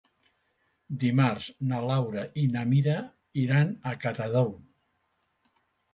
Dimarts na Laura i na Mira iran a Catadau.